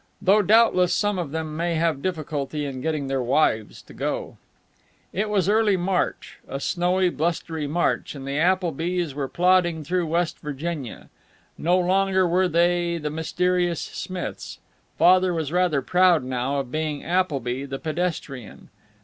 Though doubtless some of them may have difficulty in getting their wives to go. It was early March, a snowy, blustery March, and the Applebys were plodding through West Virginia. No longer were they the mysterious "Smiths." Father was rather proud, now, of being Appleby, the pedestrian.